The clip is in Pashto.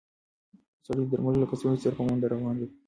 سړی د درملو له کڅوړې سره په منډه روان و.